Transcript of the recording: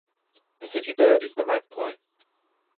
The city bird is the magpie.